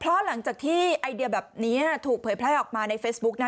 เพราะหลังจากที่ไอเดียแบบนี้ถูกเผยแพร่ออกมาในเฟซบุ๊กนะ